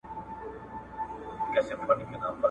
چي د ودانيو پر بامونو درول کېږي